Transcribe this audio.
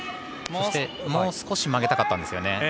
もう少し曲げたかったんですよね。